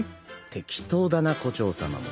適当だな胡蝶さまも。